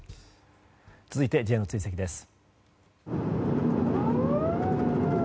続いてＪの追跡です。